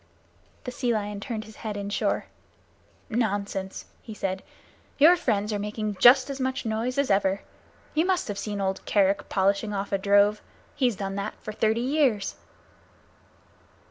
The Sea Lion turned his head inshore. "Nonsense!" he said. "Your friends are making as much noise as ever. You must have seen old Kerick polishing off a drove. He's done that for thirty years."